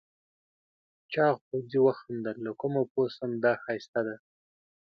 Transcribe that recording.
چاغ پوځي وخندل له کومه پوه شم دا ښایسته ده؟